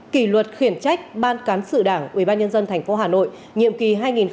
kỷ luật khiển trách ban cán sự đảng ủy ban nhân dân tp hà nội nhiệm kỳ hai nghìn hai mươi một hai nghìn hai mươi sáu